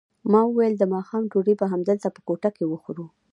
ما وویل د ماښام ډوډۍ به همدلته په کوټه کې وخورو.